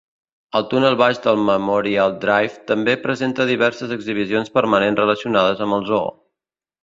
El túnel baix del Memorial Drive també presenta diverses exhibicions permanents relacionades amb el zoo.